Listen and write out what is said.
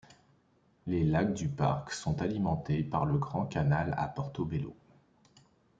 Les lacs du parc sont alimentés par le Grand Canal à Portobello.